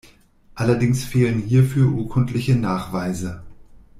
Allerdings fehlen hierfür urkundliche Nachweise.